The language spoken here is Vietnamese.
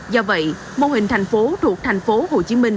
do vậy mô hình thành phố thuộc tp hcm